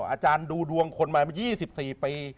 อาจารย์ดูดวงคนมากี่สิบสี่ปี